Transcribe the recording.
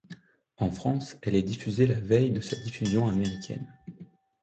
En France, elle est diffusée la veille de sa diffusion américaine.